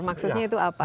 maksudnya itu apa